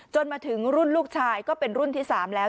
มาถึงรุ่นลูกชายก็เป็นรุ่นที่๓แล้ว